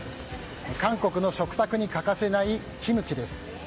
韓国の食卓に欠かせないキムチです。